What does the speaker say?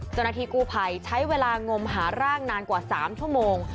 เจ้าหน้าที่กู้ภัยใช้เวลางมหาร่างนานกว่า๓ชั่วโมง